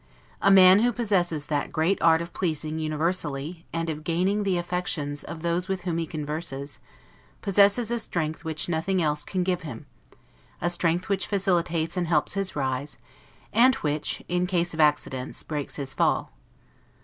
A man who possesses that great art of pleasing universally, and of gaining the affections of those with whom he converses, possesses a strength which nothing else can give him: a strength which facilitates and helps his rise; and which, in case of accidents, breaks his fall.